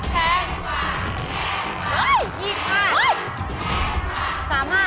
แพงกว่า๒๓บาท